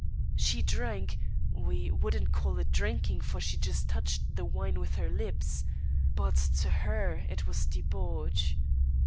She drank; we wouldn't call it drinking, for she just touched the wine with her lips; but to her it was debauch.